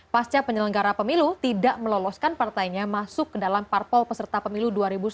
pasca penyelenggara pemilu tidak meloloskan partainya masuk ke dalam parpol peserta pemilu dua ribu sembilan belas